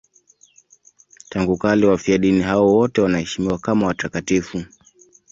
Tangu kale wafiadini hao wote wanaheshimiwa kama watakatifu.